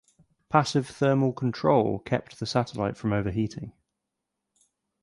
Passive thermal control kept the satellite from overheating.